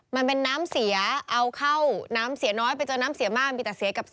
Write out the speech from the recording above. มันเป็นน้ำเสียเอาเข้าน้ำเสียน้อยไปจนน้ำเสียมาก